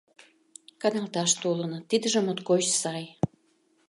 «Каналташ толыныт, тидыже моткоч сай!